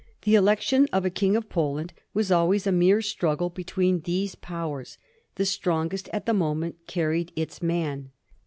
The election of a King of Poland was always a mere struggle between these Powers: the strongest at the moment carried its man.